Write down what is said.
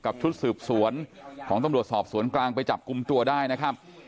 ชุดสืบสวนของตำรวจสอบสวนกลางไปจับกลุ่มตัวได้นะครับ